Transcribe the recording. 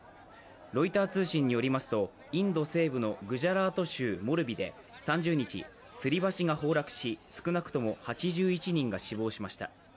ロイター通信によりますとインド西部のグジャラート州モルビで３０日、つり橋が崩落し、少なくとも８１人が死亡しました。